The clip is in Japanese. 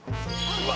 うわ！